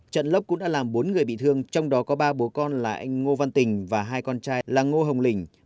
trận lốc cũng đã làm bốn người bị thương trong đó có ba bố con là anh ngô văn tình và hai con trai là ngô hồng linh